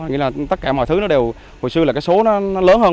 nghĩa là tất cả mọi thứ nó đều hồi xưa là cái số nó lớn hơn